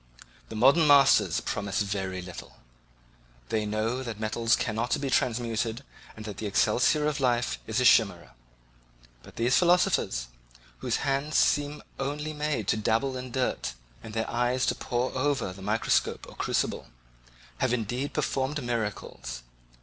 The modern masters promise very little; they know that metals cannot be transmuted and that the elixir of life is a chimera but these philosophers, whose hands seem only made to dabble in dirt, and their eyes to pore over the microscope or crucible, have indeed performed miracles.